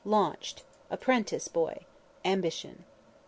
LAUNCHED. APPRENTICE BOY. AMBITION.